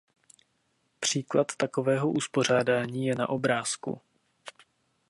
Příklad takového uspořádání je na obrázku.